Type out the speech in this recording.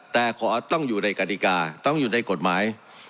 แต่ขอต้องอยู่ในกฎิกาต้องอยู่ในกฎหมาย